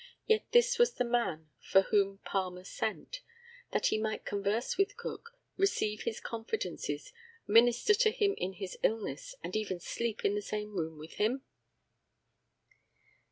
Yet this was the man for whom Palmer sent, that he might converse with Cook, receive his confidences, minister to him in his illness, and even sleep in the same room with him!